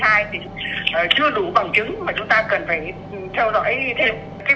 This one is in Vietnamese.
và sars cov hai thì chưa đủ bằng chứng mà chúng ta cần phải theo dõi thêm